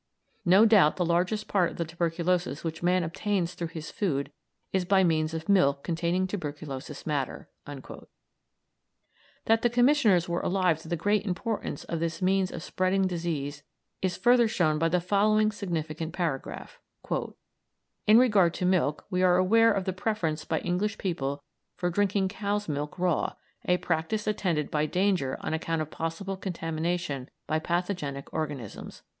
No doubt the largest part of the tuberculosis which man obtains through his food is by means of milk containing tuberculous matter." That the Commissioners were alive to the great importance of this means of spreading disease is further shown by the following significant paragraph: "In regard to milk, we are aware of the preference by English people for drinking cow's milk raw, a practice attended by danger on account of possible contamination by pathogenic organisms."